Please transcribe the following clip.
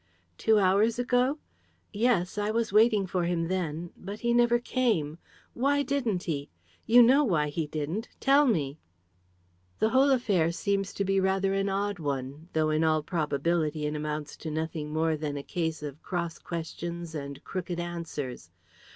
"Two hours ago? Yes. I was waiting for him then. But he never came. Why didn't he? You know why he didn't. Tell me!" "The whole affair seems to be rather an odd one, though in all probability it amounts to nothing more than a case of cross questions and crooked answers.